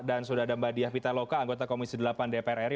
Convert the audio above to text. dan sudah ada mbak diah pitaloka anggota komisi delapan dpr ri